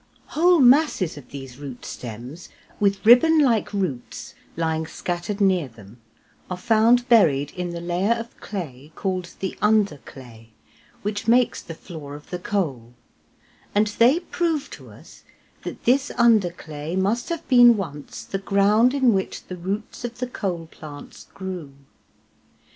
Whole masses of these root stems, with ribbon like roots lying scattered near them, are found buried in the layer of clay called the underclay which makes the floor of the coal, and they prove to us that this underclay must have been once the ground in which the roots of the coal plants grew.